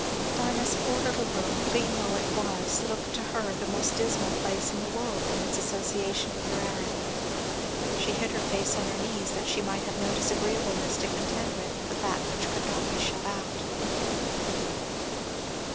Dinah's poor little room, clean though it was, looked to her the most dismal place in the world from its association with her errand; she hid her face on her knees that she might have no disagreeableness to contend with but that which could not be shut out.